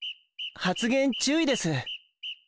発言注意です。